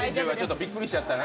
びっくりしちゃったな。